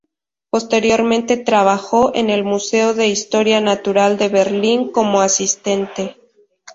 Posteriormente trabajó en el Museo de Historia Natural de Berlín como asistente.